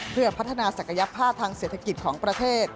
เพื่อพัฒนาศักยภาพทางเศรษฐกิจของประเทศ